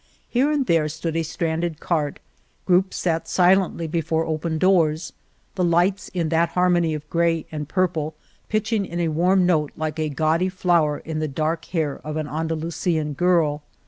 Here and there stood a stranded cart, groups sat si lently before open doors — ^the lights, in that harmony of gray and purple, pitching in a warm note like a gaudy flower in the dark hair of an Andalusian girl.